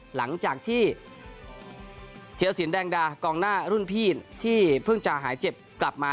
หลังจากที่เทียรสินแดงดากองหน้ารุ่นพี่ที่เพิ่งจะหายเจ็บกลับมา